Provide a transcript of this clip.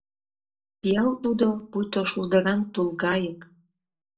Пиал тудо — пуйто шулдыран тулгайык.